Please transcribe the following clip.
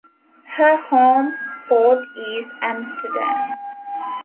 Her home port is Amsterdam.